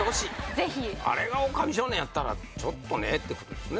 ぜひあれがオオカミ少年やったらちょっとねってことですね？